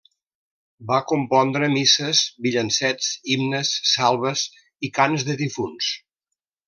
Va compondre misses, villancets, himnes, salves i cants de difunts.